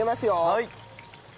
はい。